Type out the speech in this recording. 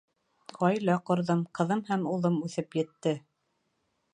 Ғаилә ҡорҙом, ҡыҙым һәм улым үҫеп етте.